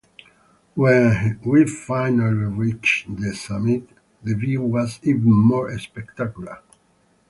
When we finally reached the summit, the view was even more spectacular.